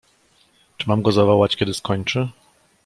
"Czy mam go zawołać, kiedy skończy?"